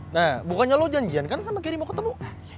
nah bukannya lo janjian kan sama kiri mau ketemu